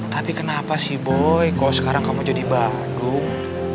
tapi kenapa sih boy kalau sekarang kamu jadi badung